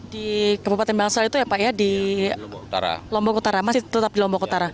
di kabupaten bangsal itu ya pak ya di lombok utara masih tetap di lombok utara